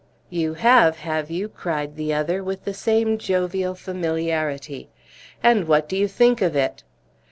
"You have, have you?" cried the other, with the same jovial familiarity. "And what do you think of it?"